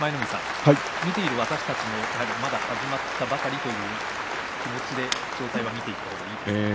見ている私たちもまだ始まったばかりという気持ちで見ていった方がいいですか。